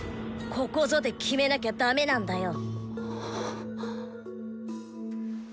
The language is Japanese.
「ここぞ」で決めなきゃだめなんだよ。